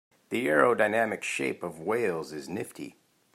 The aerodynamic shape of whales is nifty.